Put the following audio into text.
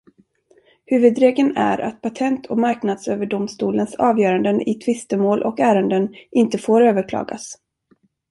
Huvudregeln är att Patent- och marknadsöverdomstolens avgöranden i tvistemål och ärenden inte får överklagas.